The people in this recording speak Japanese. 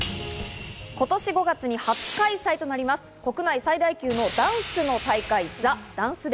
今年５月に初開催となります、国内最大級のダンスの大会ＴＨＥＤＡＮＣＥＤＡＹ。